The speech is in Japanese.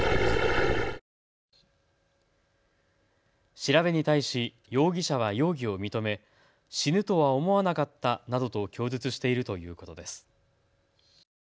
調べに対し容疑者は容疑を認め死ぬとは思わなかったなどと供述しているということです。